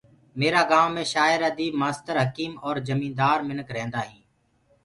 ميرآ گايونٚ مي شآير اديب مآستر حڪيم اور جيهندار منک رهيندآ هينٚ